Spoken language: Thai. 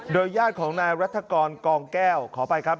โดยยาดของนายรัฐกรกองแก้วขอไปครับ